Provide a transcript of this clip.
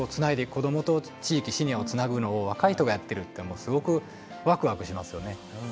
子どもと地域シニアをつなぐのを若い人がやってるってすごくワクワクしますよね。